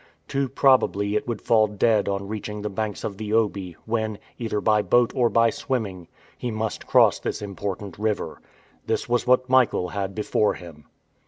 Too probably it would fall dead on reaching the banks of the Obi, when, either by boat or by swimming, he must cross this important river. This was what Michael had before him.